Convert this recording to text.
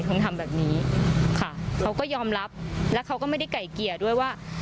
ทำแบบนี้ค่ะเขาก็ยอมรับแล้วเขาก็ไม่ได้ไก่เกลี่ยด้วยว่า